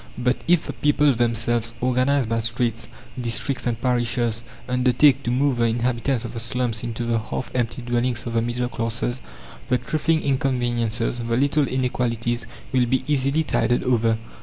But if the people themselves, organized by streets, districts, and parishes, undertake to move the inhabitants of the slums into the half empty dwellings of the middle classes, the trifling inconveniences, the little inequalities will be easily tided over.